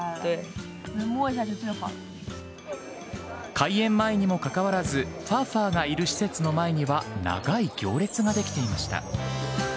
開園前にもかかわらず、ファーファーがいる施設の前には、長い行列が出来ていました。